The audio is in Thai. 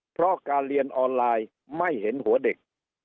เพราะการเรียนออนไลน์ไม่เห็นหัวเด็ก